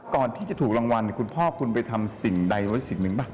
ก่อนที่จะถูกรางวัลคุณพ่อคุณไปทำสิ่งใดไว้สิ่งหนึ่งป่ะ